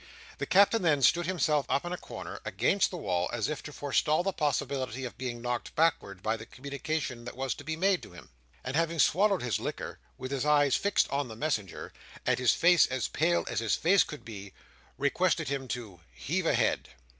The Captain then stood himself up in a corner, against the wall, as if to forestall the possibility of being knocked backwards by the communication that was to be made to him; and having swallowed his liquor, with his eyes fixed on the messenger, and his face as pale as his face could be, requested him to "heave ahead."